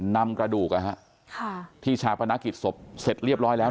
นำกระดูกที่ชาปนกิจศพเสร็จเรียบร้อยแล้ว